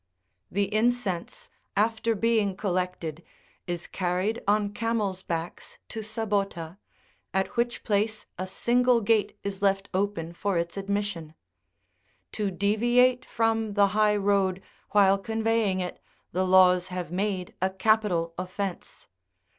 The incense, after being collected, is carried on camels' backs to Sabota,7 at which place a single gate is left open for its admission. To deviate from the high road while convey ing it, the laws have made a capital offence.